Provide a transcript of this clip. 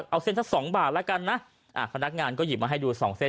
เอาเส้นสักสองบาทแล้วกันนะพนักงานก็หยิบมาให้ดูสองเส้น